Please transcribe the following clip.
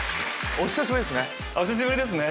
お久しぶりですね